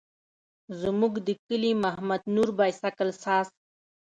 زموږ د کلي محمد نور بایسکل ساز.